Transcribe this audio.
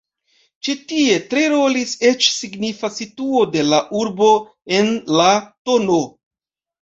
Ĉi tie tre rolis eĉ signifa situo de la urbo en la tn.